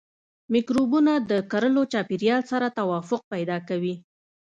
مکروبونه د کرلو چاپیریال سره توافق پیدا کوي.